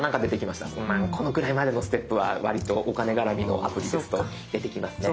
まあこのくらいまでのステップはわりとお金絡みのアプリですと出てきますね。